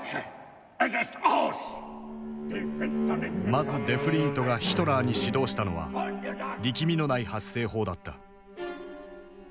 まずデフリーントがヒトラーに指導したのは力みのない発声法だった。